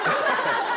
ハハハ